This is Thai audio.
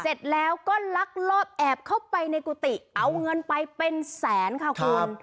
เสร็จแล้วก็ลักลอบแอบเข้าไปในกุฏิเอาเงินไปเป็นแสนค่ะคุณ